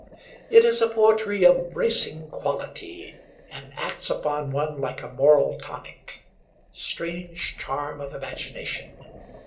It is a poetry of bracing quality, and acts upon one like a moral tonic. Strange charm of imagination!